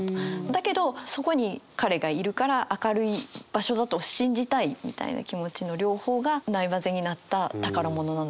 だけどそこに彼がいるから明るい場所だと信じたいみたいな気持ちの両方がない交ぜになった宝物なのかな。